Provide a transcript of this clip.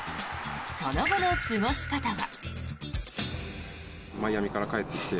その後の過ごし方は。